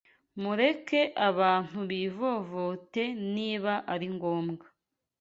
Mureke abantu bivovote niba ari ngombwa